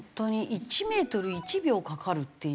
１メートル１秒かかるっていう。